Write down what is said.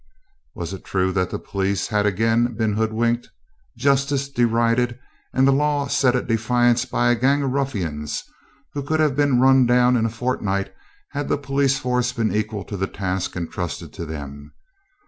Was it true that the police had again been hoodwinked, justice derided, and the law set at defiance by a gang of ruffians who would have been run down in a fortnight had the police force been equal to the task entrusted to them?